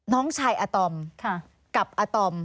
น้องชายอาตอมกับอาตอม